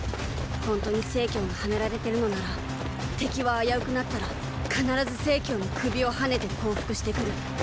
本当に成がはめられてるのなら敵は危うくなったら必ず成の首をはねて降伏してくる。